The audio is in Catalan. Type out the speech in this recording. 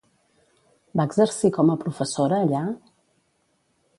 Va exercir com a professora allà?